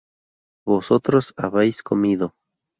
vosotras habíais comido